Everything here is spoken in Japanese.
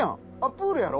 プールやろ？